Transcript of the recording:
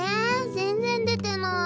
全然出てない。